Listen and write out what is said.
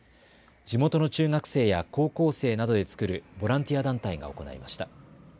地元の中学生や高校生などで作るボランティア団体が行いました。